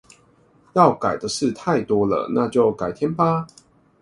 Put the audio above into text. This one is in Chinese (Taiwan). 要改的事太多了，那就改天吧